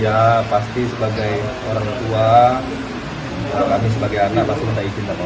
ya pasti sebagai orang tua kami sebagai anak masih mendai cinta ke orang tua